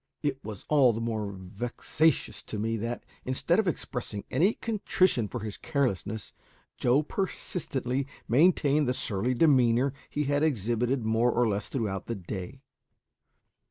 It was all the more vexatious to me that, instead of expressing any contrition for his carelessness, Joe persistently maintained the surly demeanour he had exhibited more or less throughout the day.